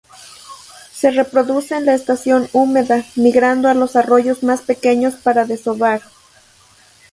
Se reproduce en la estación húmeda, migrando a los arroyos más pequeños para desovar.